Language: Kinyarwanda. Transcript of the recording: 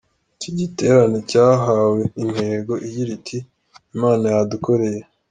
Iki giterane cyahawe intego igira iti : Imana yadukoreye